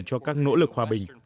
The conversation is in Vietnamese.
cho các nỗ lực hòa bình